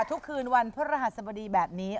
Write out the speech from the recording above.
ทุกคืนวันพระรหัสบดีแบบนี้